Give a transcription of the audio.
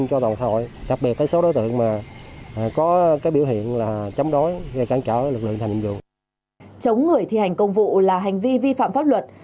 chống người thi hành công vụ là hành vi vi phạm pháp luật